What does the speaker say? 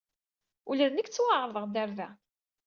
Ula d nekk ttwaɛerḍeɣ-d ɣer da.